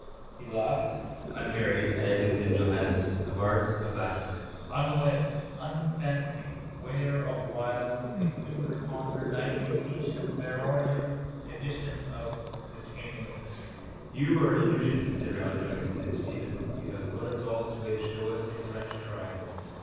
He laughed, unmarried, at Eglinton Johannes, of arts a bachelor. Unwed, unfancied, ware of wiles, they fingerponder nightly each his variorum edition of The Taming of the Shrew. —You are a delusion, said roundly John Eglinton to Stephen. You have brought us all this way to show us a French triangle.